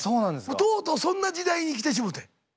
もうとうとうそんな時代に来てしもて。